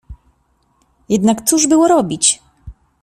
"Jednak cóż było robić!"